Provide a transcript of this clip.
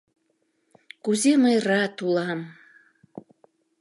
Кузе мый рат улам!